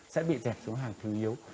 sẽ bị dẹp xuống hàng thứ yếu